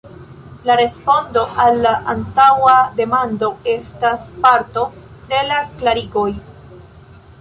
La respondo al la antaŭa demando estas parto de la klarigoj.